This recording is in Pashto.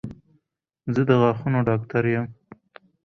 زه د غاښونو ډاکټر یم